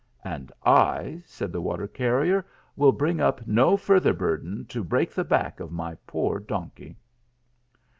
"And I," said the water carrier, "will bring up no further burthen to break the back of my poor donkey."